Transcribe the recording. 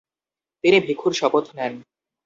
তিনি ভিক্ষুর শপথ নেন।